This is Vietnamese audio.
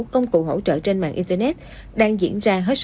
công cụ hỗ trợ trên mạng internet đang diễn ra hết sức